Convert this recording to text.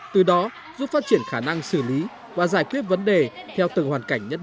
từ đó giúp phát triển khả năng xử lý và giải quyết vấn đề theo từng hoàn cảnh nhất định